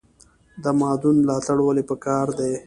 د مادون ملاتړ ولې پکار دی؟